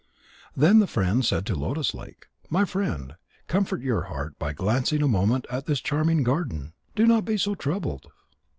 Then the friend said to Lotus lake: "My friend, comfort your heart by glancing a moment at this charming garden. Do not be so troubled."